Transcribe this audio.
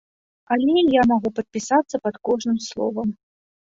Але і я магу падпісацца пад кожным словам.